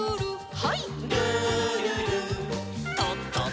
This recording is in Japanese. はい。